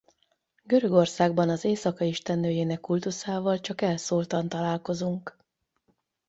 Görögországban az éjszaka istennőjének kultuszával csak elszórtan találkozunk.